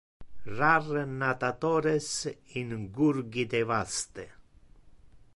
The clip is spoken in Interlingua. Rar natatores in gurgite vaste.